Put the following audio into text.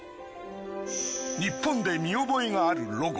日本で見覚えがあるロゴ。